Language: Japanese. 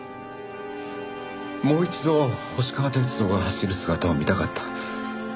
もう一度星川鐵道が走る姿を見たかった。